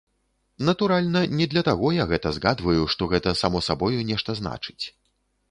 Натуральна, не для таго я гэта згадваю, што гэта само сабою нешта значыць.